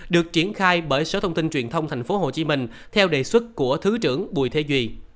được triển khai bởi sở thông tin truyền thông tp hcm theo đề xuất của thứ trưởng bùi thế duy